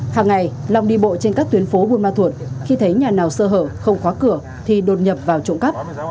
hàng ngày long đi bộ trên các tuyến phố buôn ma thuột khi thấy nhà nào sơ hở không khóa cửa thì đột nhập vào trộm cắp